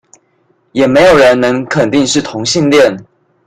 也沒有人能肯定是同性戀